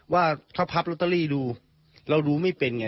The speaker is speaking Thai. ว่าถ้าพับลอตเตอรี่ดูเราดูไม่เป็นไง